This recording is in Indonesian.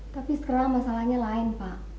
tapi sekarang masalahnya lain pak